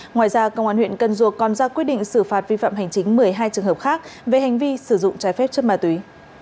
ngoài ra công an huyện cần duộc còn ra quyết định xử phạt vi phạm hành chính một mươi hai trường hợp khác về hành vi sử dụng trái phép chất ma túy